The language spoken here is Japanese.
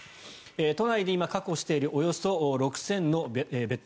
都内で今確保しているおよそ６０００のベッド。